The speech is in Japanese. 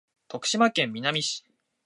徳島県美波町